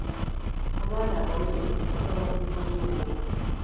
Abaana abawere batawaanyizibwa nnyo obwoka.